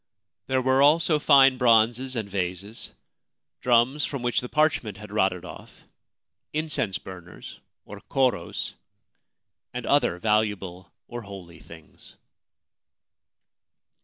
There were also fine bronzes and vases, drums from which the parchment had rotted off, incense burners, or koros, and other valuable or holy things.